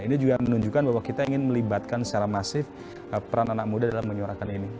ini juga menunjukkan bahwa kita ingin melibatkan secara masif peran anak muda dalam menyuarakan ini